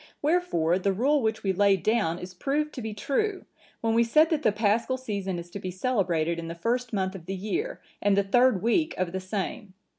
Wherefore the rule which we laid down is proved to be true, when we said that the Paschal season is to be celebrated in the first month of the year, and the third week of the same.